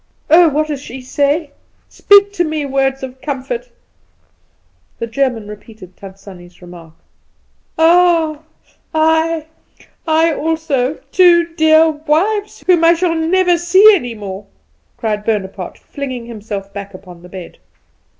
"Oh, what does she say? Speak to me words of comfort!" The German repeated Tant Sannie's remark. "Ah, I I also! Two dear, dear wives, whom I shall never see any more!" cried Bonaparte, flinging himself back upon the bed.